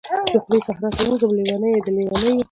چی خوری صحرا ته ووځم، لیونۍ د لیونیو